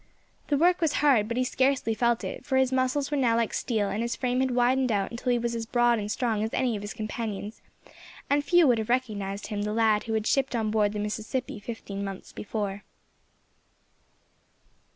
The work was hard, but he scarcely felt it, for his muscles were now like steel, and his frame had widened out until he was as broad and strong as any of his companions, and few would have recognised in him the lad who had shipped on board the Mississippi fifteen months before.